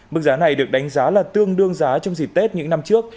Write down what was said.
mức giá này được đánh giá là tương đương giá trong dịp tết những năm trước